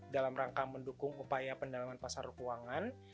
dalam rangka mendukung upaya pendalaman pasar keuangan